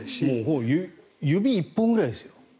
もう指１本くらいですよ。